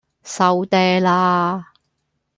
收嗲啦